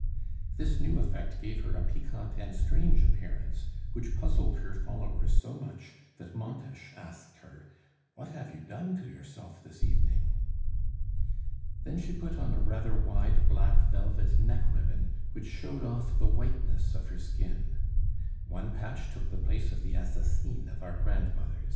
This new effect gave her a piquant and strange appearance, which puzzled her followers so much, that Montes asked her: "What have you done to yourself this evening?" Then she put on a rather wide black velvet neck ribbon, which showed off the whiteness of her skin. One patch took the place of the assassine of our grandmothers.